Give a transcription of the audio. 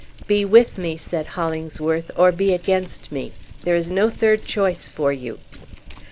"Be with me," said Hollingsworth, "or be against me! There is no third choice for you."